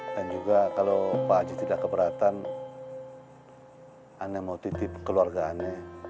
dan juga kalau pak aji tidak keberatan anda mau titip keluarga anda